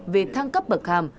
về thăng cấp bậc hàm